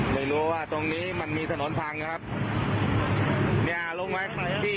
ไม่รู้ว่าตรงนี้มันมีถนนพังนะครับเนี่ยลงมาที่